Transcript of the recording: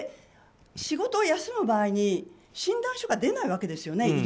仕事を休む場合に診断書が出ないわけですよね。